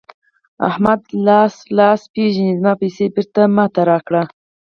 احمده؛ لاس لاس پېژني ـ زما پيسې بېرته ما ته راکړه.